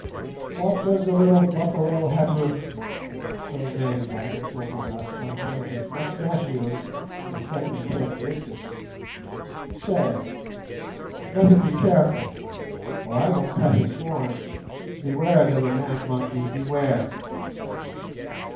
"What does the little 'buffalo heifer' [so named by Umslopogaas, on account of his mustachios and feminine characteristics] say? Let him be careful, or I will cut his horns. Beware, little man monkey, beware!"